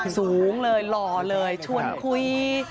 สูงเลยหล่อเลยชวนคุย